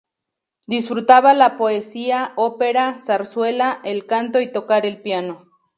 Disfrutaba la poesía, ópera, zarzuela, el canto y tocar el piano.